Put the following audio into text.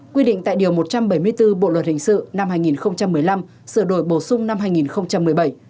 quy định tại điều một trăm bảy mươi bốn bộ luật hình sự năm hai nghìn một mươi năm sửa đổi bổ sung năm hai nghìn một mươi bảy